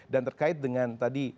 dan terkait dengan tadi